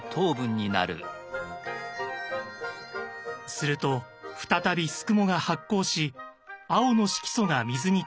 すると再びすくもが発酵し青の色素が水に溶け出します。